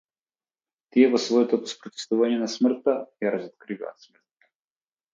Тие во своето спротивставување на смртта ја разоткриваат смртта.